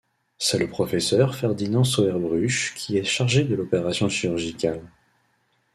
C'est le professeur Ferdinand Sauerbruch qui est chargé de l'opération chirurgicale.